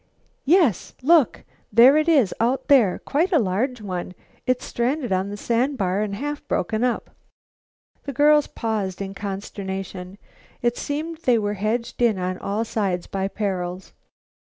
Yes, look; there it is out there, quite a large one. It's stranded on the sandbar and half broken up." The girls paused in consternation. It seemed they were hedged in on all sides by perils.